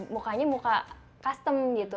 mukanya muka custom gitu